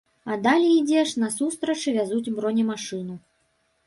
А далей ідзеш, насустрач вязуць бронемашыну.